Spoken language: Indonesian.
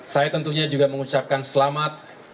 saya tentunya juga mengucapkan selamat